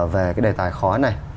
về đề tài khó này